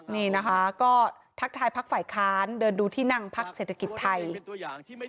นี่นะคะก็ทักทายพักฝ่ายค้านเดินดูที่นั่งพักเศรษฐกิจไทย